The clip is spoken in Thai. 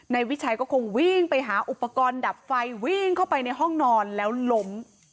นายวิชัยก็คงวิ่งไปหาอุปกรณ์ดับไฟวิ่งเข้าไปในห้องนอนแล้วล้ม